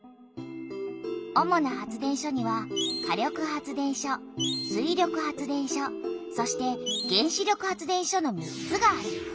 主な発電所には火力発電所水力発電所そして原子力発電所の３つがある。